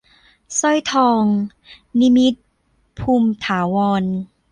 สร้อยทอง - นิมิตร ภูมิถาวร